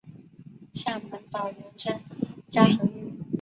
厦门岛原称嘉禾屿。